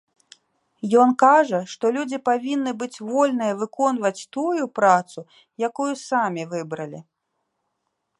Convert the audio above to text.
Ён кажа, што людзі павінны быць вольныя выконваць тую працу, якую самі выбралі.